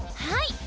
はい！